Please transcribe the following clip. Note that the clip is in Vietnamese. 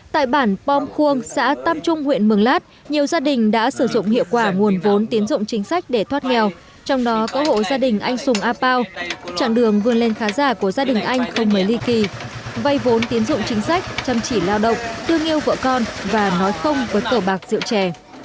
tại bản pom khuông xã tam trung huyện mường lát nhiều gia đình đã sử dụng hiệu quả nguồn vốn tiến dụng chính sách để thoát nghèo trong đó có hộ gia đình anh sùng a pao trạng đường vươn lên khá già của gia đình anh không mấy ly kỳ vay vốn tiến dụng chính sách chăm chỉ lao động tương yêu vợ con và nói không với cờ bạc rượu trẻ